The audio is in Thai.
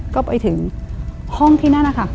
ก็ไปถึงห้องที่นั่นนะคะ